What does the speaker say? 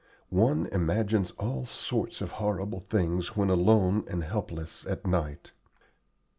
One imagines all sorts of horrible things when alone and helpless at night.